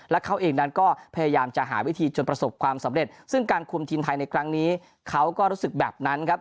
และเขาเองนั้นก็พยายามจะหาวิธีจนประสบความสำเร็จซึ่งการคุมทีมไทยในครั้งนี้เขาก็รู้สึกแบบนั้นครับ